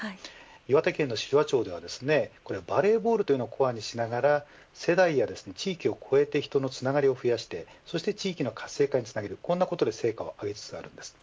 岩手県の紫波町ではバレーボールというのをコアにしながら世代や地域を超えて人のつながりを増やして地域の活性化につなげるということで成果を上げています。